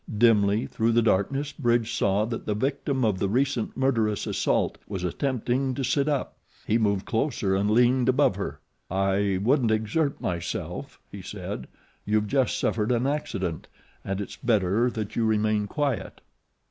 Dimly, through the darkness, Bridge saw that the victim of the recent murderous assault was attempting to sit up. He moved closer and leaned above her. "I wouldn't exert myself," he said. "You've just suffered an accident, and it's better that you remain quiet."